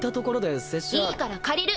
いいから借りる！